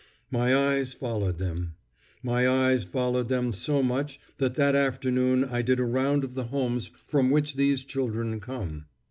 My eyes followed them. My eyes followed them so much that that afternoon I did a round of the homes from which these children come.